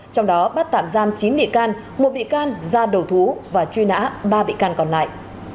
trong đó bắt tạm giam chín bị can một bị can ra đầu thú và truy nã ba bị can còn lại